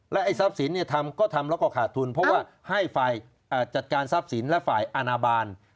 ไอ้ทรัพย์สินทำก็ทำแล้วก็ขาดทุนเพราะว่าให้ฝ่ายจัดการทรัพย์สินและฝ่ายอาณาบาล